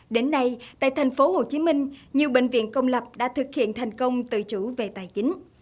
đến nay tại thành phố hồ chí minh nhiều bệnh viện công lập đã thực hiện thành công tự chủ về tài chính